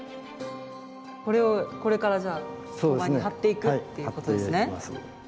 これをこれからじゃあ陶板に貼っていくっていうことですね。